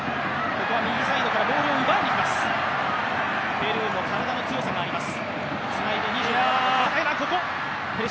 ペルーも体の強さがあります。